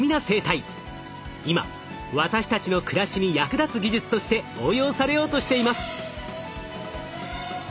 今私たちの暮らしに役立つ技術として応用されようとしています。